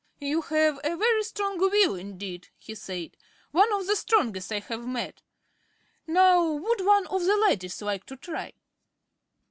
"You have a very strong will indeed," he said, "one of the strongest I have met. Now, would one of the ladies like to try?"